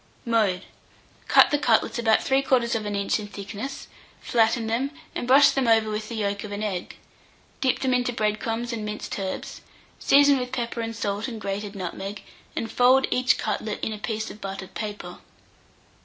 Mode. Cut the cutlets about 3/4 inch in thickness, flatten them, and brush them over with the yolk of an egg; dip them into bread crumbs and minced herbs, season with pepper and salt and grated nutmeg, and fold each cutlet in a piece of buttered paper.